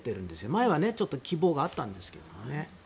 前は希望があったんですけどね。